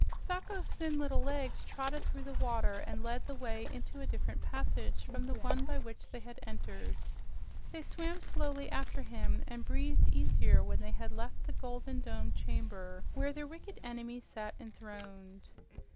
Sacho's thin little legs trotted through the water and led the way into a different passage from the one by which they had entered. They swam slowly after him and breathed easier when they had left the golden domed chamber where their wicked enemy sat enthroned.